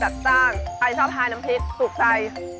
จัดจ้างใครชอบทานน้ำพริกถูกใจ